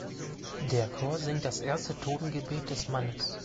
Der Chor singt das erste Totengebet des Mannes.